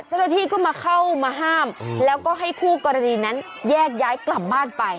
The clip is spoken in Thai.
เจ้าหน้าที่ก็มาเข้ามาห้ามแล้วก็ให้คู่กรณีนั้นแยกย้ายกลับบ้านไป